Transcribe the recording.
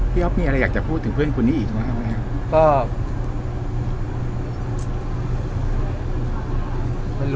พี่ฮอล์ฟมีอะไรอยากจะพูดถึงเพื่อนคุณนี้อีกไหม